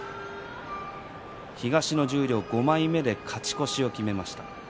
東の十両５枚目で勝ち越しを決めました。